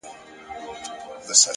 مثبت انسان د تیارو منځ کې رڼا ویني!.